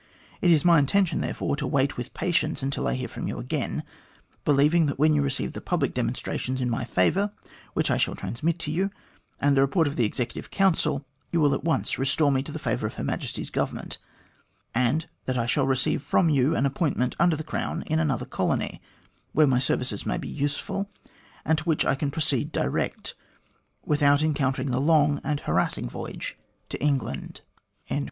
"It is my intention, therefore, to wait with patience until I hear again from you, believing that when you receive the public demonstrations in my favour, which I shall transmit to you, and the report of the Executive Council, you will at once restore me to the favour of Her Majesty's Government, and that I shall receive from you an appointment under the Crown in another colony, where my services may be useful, and to which I can proceed direct, without encountering the long and harassing voyage to England."